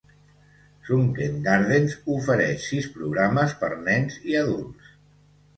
Sunken Gardens ofereix sis programes per nens i adults.